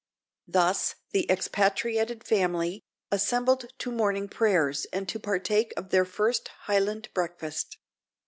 Thus the "expatriated" family assembled to morning prayers, and to partake of their first Highland breakfast.